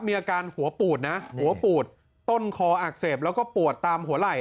มีอาการหัวปูดนะหัวปูดต้นคออักเสบแล้วก็ปวดตามหัวไหล่